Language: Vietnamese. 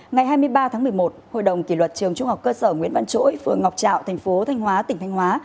ngày hai mươi ba tháng một mươi một hội đồng kỷ luật trường trung học cơ sở nguyễn văn chỗi phường ngọc trạo thành phố thanh hóa tỉnh thanh hóa